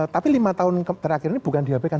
tapi lima tahun terakhir ini bukan dihabikan